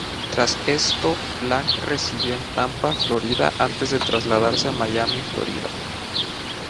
Tras esto, Blank residió en Tampa, Florida, antes de trasladarse a Miami, Florida.